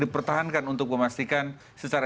dipertahankan untuk memastikan secara